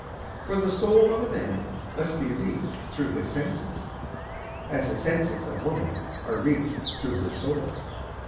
For the soul of a man must be reached through his senses, As the senses of woman are reached through her soul.